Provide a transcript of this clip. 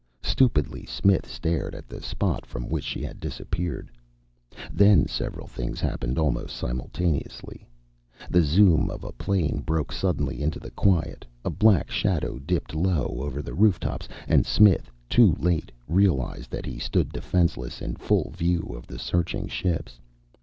Stupidly Smith stared at the spot from which she had disappeared. Then several things happened almost simultaneously. The zoom of a plane broke suddenly into the quiet, a black shadow dipped low over the rooftops, and Smith, too late, realized that he stood defenseless in full view of the searching ships.